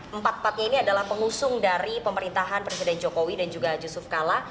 empat empatnya ini adalah pengusung dari pemerintahan presiden jokowi dan juga yusuf kala